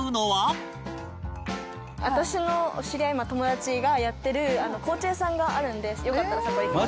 私の知り合い友達がやってる紅茶屋さんがあるんでよかったらそこ行きましょう。